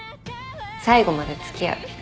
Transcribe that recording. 最後まで付き合う。